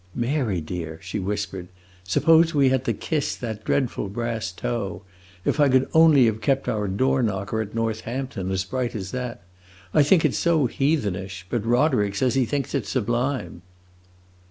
"Mary, dear," she whispered, "suppose we had to kiss that dreadful brass toe. If I could only have kept our door knocker, at Northampton, as bright as that! I think it's so heathenish; but Roderick says he thinks it 's sublime."